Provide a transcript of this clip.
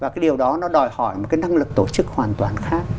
và cái điều đó nó đòi hỏi một cái năng lực tổ chức hoàn toàn khác